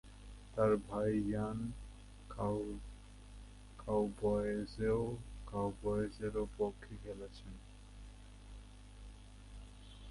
তার ভাই ইয়ান কাউবয়েজও কাউবয়েজের পক্ষে খেলেছেন।